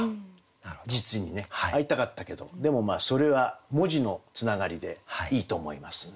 実にね会いたかったけどでもそれは文字のつながりでいいと思いますんで。